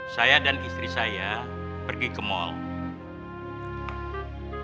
saya dan istri saya pergi ke mall